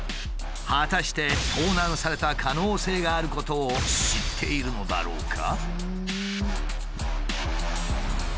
果たして盗難された可能性があることを知っているのだろうか？